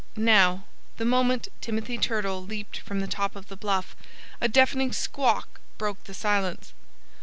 Now, the moment Timothy Turtle leaped from the top of the bluff a deafening squawk broke the silence.